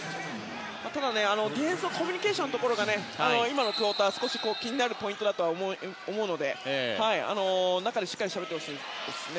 ただ、ディフェンスのコミュニケーションのところが今のクオーター少し気になるポイントだと思うので中でしっかりしゃべってほしいですね。